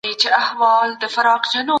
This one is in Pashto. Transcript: څنګه سالم خواړه زموږ په فکر مثبت اغېز کوي؟